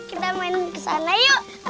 kita main ke sana yuk